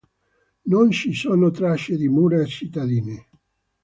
Non ci sono tracce di mura cittadine.